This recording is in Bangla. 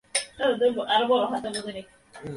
ঢের ওষুধ খাইয়াছি, ওষুধে আমার কিছু হয় না।